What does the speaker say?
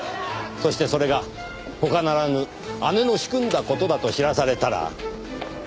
そしてそれが他ならぬ姉の仕組んだ事だと知らされたら。